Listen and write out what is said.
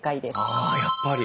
あやっぱり。